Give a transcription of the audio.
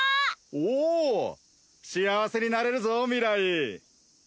おおっ幸せになれるぞ明日